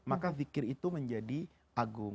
maka zikir itu menjadi agung